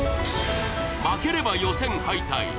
負ければ予選敗退。